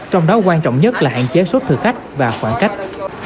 trong đó quan trọng nhất là hạn chế sốt thực khách và khoảng cách